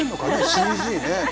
ＣＧね